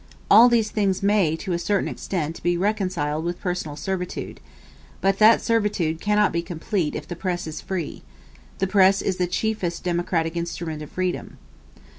All these things may, to a certain extent, be reconciled with personal servitude but that servitude cannot be complete if the press is free: the press is the chiefest democratic instrument of freedom.